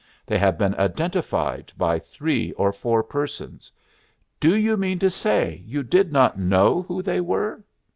They have been identified by three or four persons. Do you mean to say you did not know who they were?"